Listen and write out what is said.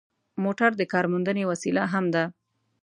موټر د کارموندنې وسیله هم ده.